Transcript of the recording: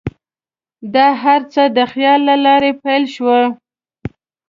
دا هر څه د خیال له لارې پیل شول.